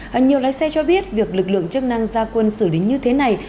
và nhiều lái xe cho biết việc lực lượng chức năng gia quân xử lý như thế này